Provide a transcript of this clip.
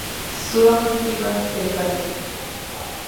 Son nativas del Caribe.